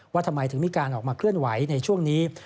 ว่าทำไมถึงมีการออกมาเคลื่อนไหวในช่วงนี้